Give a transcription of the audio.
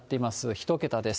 １桁です。